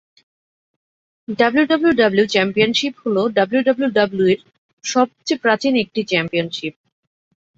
WWE championship হলো ডাব্লিউডাব্লিউইর সবচেয়ে প্রাচীন একটি চ্যাম্পিয়নশিপ।